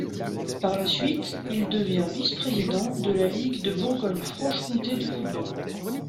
Par la suite, il devient vice-président de la ligue de Bourgogne-Franche-Comté de football.